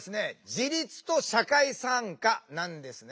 自立と社会参加なんですね。